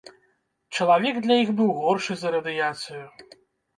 Чалавек для іх быў горшы за радыяцыю.